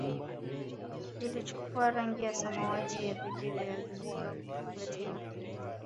Ilichukua rangi ya samawati ya bendera ya Zanzibar na kupigwa tena